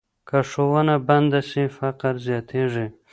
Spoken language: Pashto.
که ښوونه بنده سي، فقر زیاتېږي.